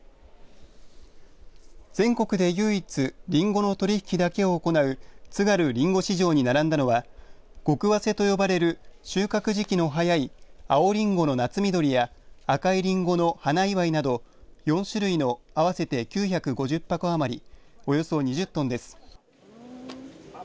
全国で唯一りんごの取り引きだけを行う津軽りんご市場に並んだのは極早生と呼ばれる収穫時期の早い青りんごの夏緑や赤いりんごの花祝など４種類の合わせて９５０箱余りおよそ２０トンです。